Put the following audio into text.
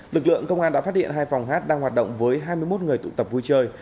lực lượng công an đã phát hiện hai phòng hát đang hoạt động với hai mươi một người tụ tập vui chơi